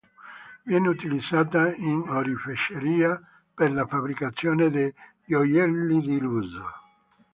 Viene utilizzata in oreficeria per la fabbricazione di gioielli di lusso.